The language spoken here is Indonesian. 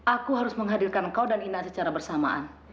aku harus menghadirkan kau dan ina secara bersamaan